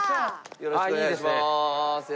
よろしくお願いします。